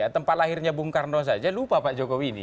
tempat lahirnya bung karno saja lupa pak jokowi ini